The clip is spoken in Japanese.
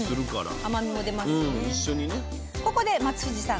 ここで松藤さん